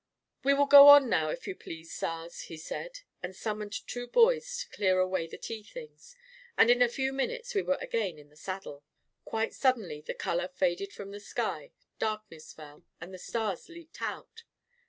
44 We will go on, if you please, saars," he said; no A KING IN BABYLON and summoned two boys to clear away the tea things; and in a few minutes we were again in the saddle. Quite suddenly the color faded from the sky, darkness fell, and the stars leaped out.